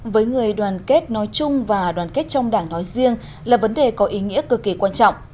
với người đoàn kết nói chung và đoàn kết trong đảng nói riêng là vấn đề có ý nghĩa cực kỳ quan trọng